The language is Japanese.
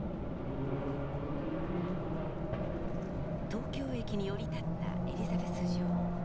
東京駅に降り立ったエリザベス女王。